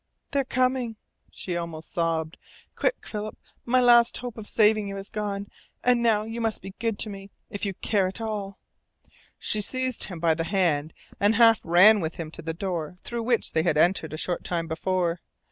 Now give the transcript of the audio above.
"They are coming!" she almost sobbed. "Quick, Philip! My last hope of saving you is gone, and now you must be good to me if you care at all!" She seized him by the hand and half ran with him to the door through which they had entered a short time before.